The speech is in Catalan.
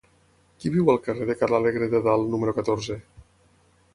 Qui viu al carrer de Ca l'Alegre de Dalt número catorze?